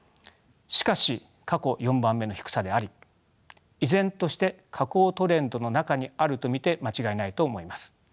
しかし過去４番目の低さであり依然として下降トレンドの中にあると見て間違いないと思います。